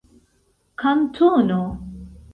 kantono